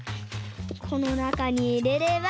このなかにいれれば。